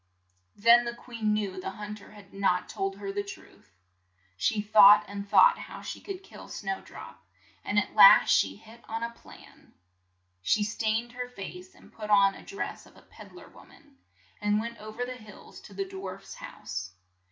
Then the queen knew the hun ter had not told her the truth. She thought and thought how she could kill Snow drop, and at last she hit on a plan. She stained her face, and put on the dress of a ped dler wom an, and went o ver the hills to the dwarfs' house.